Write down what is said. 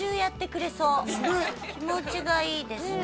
え気持ちがいいですね